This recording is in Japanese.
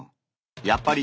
やっぱり。